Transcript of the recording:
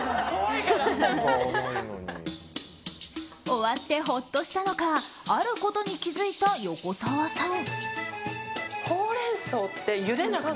終わってほっとしたのかあることに気付いた横澤さん。